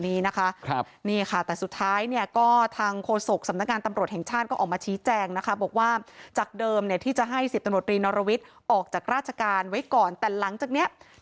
อันนี้คือความเห็นของเรา